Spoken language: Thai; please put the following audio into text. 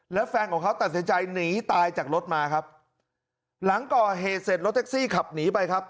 แล้วแฟนของเขาตัดสินใจหนีตายจากรถมาครับหลังก่อเหตุเสร็จรถแท็กซี่ขับหนีไปครับ